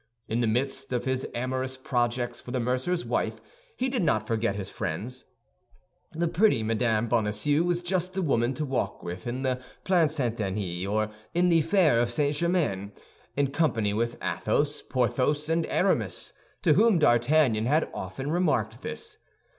In the midst of his amorous projects for the mercer's wife, he did not forget his friends. The pretty Mme. Bonacieux was just the woman to walk with in the Plain St. Denis or in the fair of St. Germain, in company with Athos, Porthos, and Aramis, to whom D'Artagnan had often remarked this.